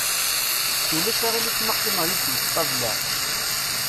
Ulac aɣilif ma qqimeɣ yid-k deg ṭabla?